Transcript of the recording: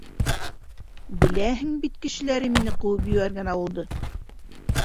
Беләһең бит кешеләре мине ҡыуып ебәргән ауылды?